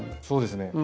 そうですね